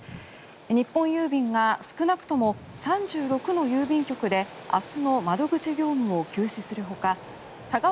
日本郵便が少なくとも３６の郵便局で明日の窓口業務を休止するほか佐川